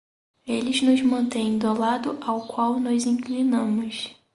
Eles nos mantêm do lado ao qual nos inclinamos.